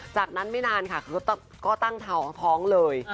จากนั้นไม่นานค่ะก็ตั้งท้องเลย